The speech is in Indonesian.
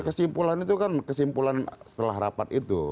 kesimpulan itu kan kesimpulan setelah rapat itu